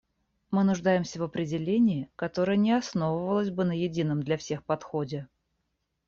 Мы нуждаемся в определении, которое не основывалось бы на едином для всех подходе.